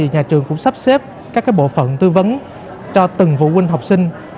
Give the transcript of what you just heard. nhà trường cũng sắp xếp các bộ phận tư vấn cho từng phụ huynh học sinh